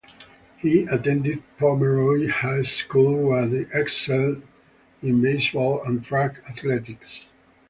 He attended Pomeroy High School where he excelled in baseball and track athletics.